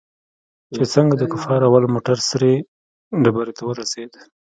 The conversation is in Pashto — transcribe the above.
چې څنگه د کفارو اول موټر سرې ډبرې ته ورسېد.